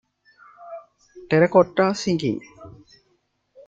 Terracotta Sighing.